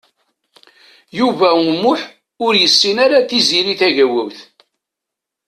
Yuba U Muḥ ur yessin ara Tiziri Tagawawt.